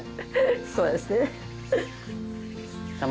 そうですね。